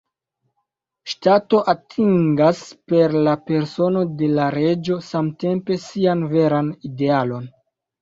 Ŝtato atingas per la persono de la reĝo samtempe sian veran idealon.